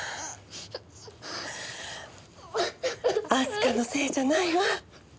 明日香のせいじゃないわ。